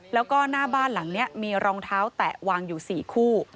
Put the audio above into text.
แล้วก็หน้าบ้านหลังนี้มีรองเท้าแตะวางอยู่๔คู่